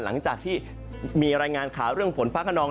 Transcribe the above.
หลังจากที่มีรายงานข่าวเรื่องฝนฟ้าขนอง